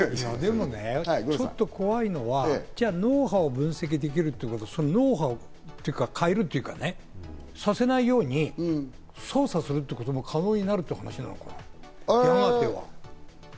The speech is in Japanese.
ちょっと怖いのは脳波を分析できるってことは、その脳波を変えるというか、させないように操作するってことも可能になるって話なのかね、やがては。